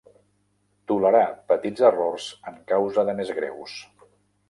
Tolerar petits errors en causa de més greus.